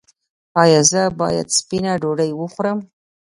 ایا زه باید سپینه ډوډۍ وخورم؟